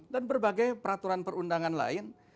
dan berbagai peraturan perundangan lain